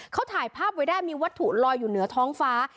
เขาถ่ายภาพไว้ได้มีวัตถุลอยอยู่เหนือท้องฟ้า